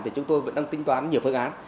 thì chúng tôi vẫn đang tinh toán nhiều phương án